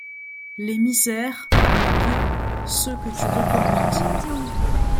Les misères, les gueux, ceux que tu recommandes